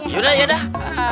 ya udah ya dah